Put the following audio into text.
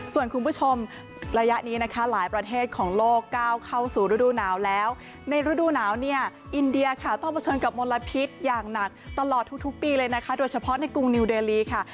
ส่วนคุณผู้ชมระยะนี้นะคะหลายประเทศของโลกก้าวเข้าสู่ฤดูหนาวแล้วในฤดูหนาวเนี่ยอินเดียค่ะต้องเผชิญกับมลพิษอย่างหนักตลอดทุกปีเลยนะคะโดยเฉพาะในกรุงนิวเดลีค่ะ